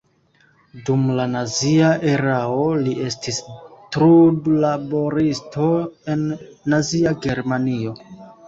Dum la nazia erao li estis trudlaboristo en Nazia Germanio.